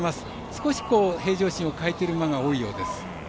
少し平常心を欠いている馬が多いようです。